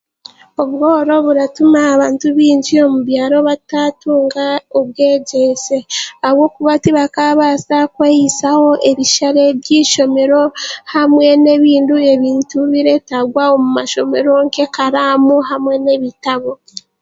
Obworo buratuma abantu baingi mu byaro bataatunga obwegyese ahabwokuba ahabwokuba tibakaabaasa kwehisaho ebisare byeishomero hamwe nebindi bintu ebireetaagwa omu mashomero nkekaraamu hamwe n'ebitabo.